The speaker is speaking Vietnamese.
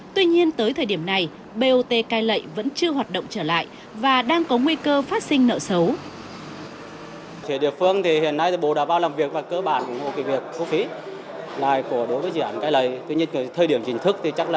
tuy nhiên tới thời điểm này bot cai lệ vẫn chưa hoạt động trở lại và đang có nguy cơ phát sinh nợ xấu